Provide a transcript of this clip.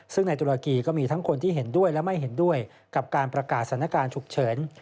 ซึ่งในตุรกีก็มีทั้งคนที่เห็นด้วยและไม่เห็นด้วยกับการประกาศสถานการณ์ฉุกเฉิน